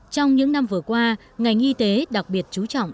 trong những năm vừa qua ngành y tế đặc biệt chú trọng